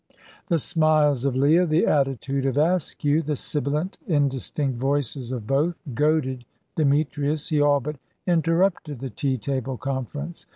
The smiles of Leah, the attitude of Askew, the sibilant indistinct voices of both, goaded Demetrius. He all but interrupted the tea table conference.